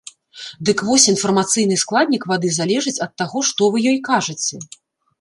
Дык вось інфармацыйны складнік вады залежыць ад таго, што вы ёй кажаце.